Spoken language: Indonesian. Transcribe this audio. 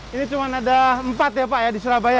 ini cuma ada empat ya pak ya di surabaya